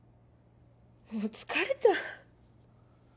もう疲れた。